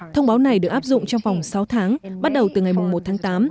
thông báo này được áp dụng trong vòng sáu tháng bắt đầu từ ngày một tháng tám